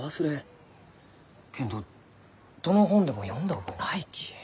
けんどどの本でも読んだ覚えないき。